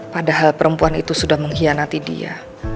padahal perempuan itu sudah mengkhianati dia